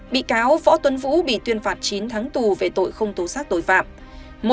bị cáo võ tuấn vũ bị tuyên phạt chín tháng tù về tội không tố xác tội phạm